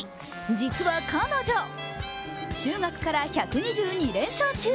実は彼女、中学から１２２連勝中